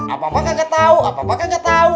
apa apa kagak tau apa apa kagak tau